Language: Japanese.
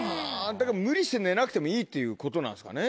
だから無理して寝なくてもいいっていうことなんですかね。